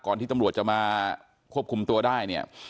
ที่ตำรวจจะมาควบคุมตัวได้เนี่ย